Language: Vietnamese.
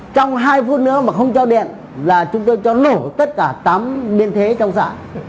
trong hai phút nữa mà không cho điện là chúng tôi cho nổ tất cả tám biên thế trong xã